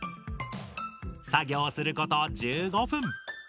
作業すること１５分。